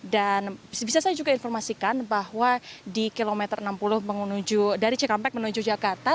bisa saya juga informasikan bahwa di kilometer enam puluh dari cikampek menuju jakarta